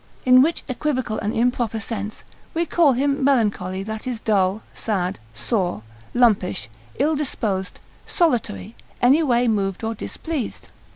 In which equivocal and improper sense, we call him melancholy that is dull, sad, sour, lumpish, ill disposed, solitary, any way moved, or displeased.